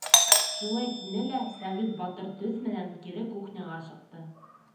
Шулай тине лә Сәғит батыр төҫ менән кире кухняға ашыҡты.